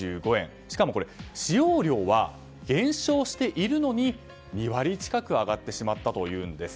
しかも、使用料は減少しているのに２割近く上がってしまったというんです。